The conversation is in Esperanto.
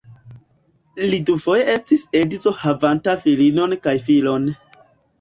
Li dufoje estis edzo havanta filinon kaj filon.